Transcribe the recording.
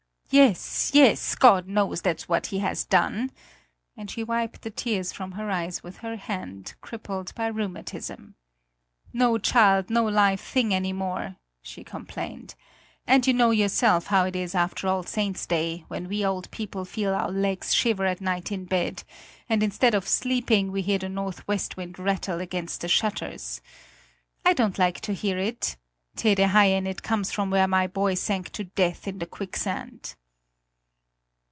"Yes, yes, God knows, that's what he has done," and she wiped the tears from her eyes with her hand, crippled by rheumatism. "No child, no live thing any more!" she complained. "And you know yourself how it is after All Saints' Day, when we old people feel our legs shiver at night in bed, and instead of sleeping we hear the northwest wind rattle against the shutters. I don't like to hear it. Tede Haien, it comes from where my boy sank to death in the quicksand!"